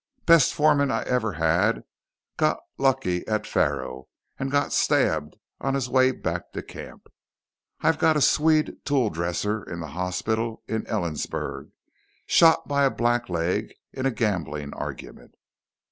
Best foreman I ever had got lucky at faro and got stabbed on his way back to camp. I've got a Swede tool dresser in the hospital in Ellensburg, shot by a blackleg in a gambling argument."